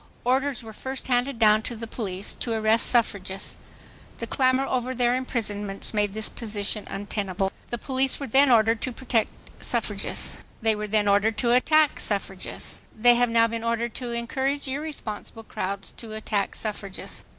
Orders were first handed down to the police to arrest suffragists. The clamor over their imprisonments made this position untenable. The police were then ordered to protect suffragists. They were then ordered to attack suffragists. They have now been ordered to encourage irresponsible crowds to attack suffragists.